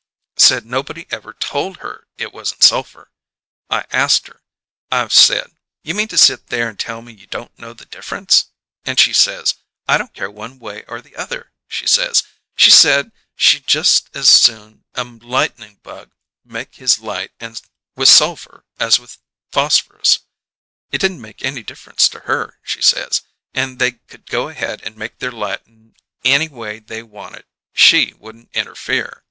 Said nobody ever told her it wasn't sulphur! I asked her: I said: 'You mean to sit there and tell me you don't know the difference?' And she says: 'I don't care one way or the other,' she says. She said she just as soon a lightning bug made his light with sulphur as with phosphorus; it didn't make any difference to her, she says, and they could go ahead and make their light any way they wanted, she wouldn't interfere!